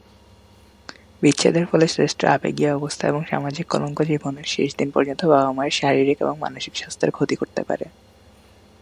বিচ্ছেদের ফলে সৃষ্ট আবেগীয় অবস্থা এবং সামাজিক কলঙ্ক জীবনের শেষ দিন পর্যন্ত বাবা-মায়ের শারীরিক এবং মানসিক স্বাস্থ্যের ক্ষতি করতে পারে।